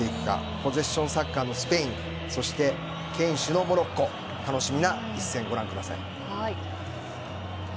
ポゼッションサッカーのスペインそして、堅守のモロッコ楽しみな一戦をご覧ください。